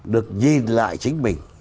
được nhìn lại chính mình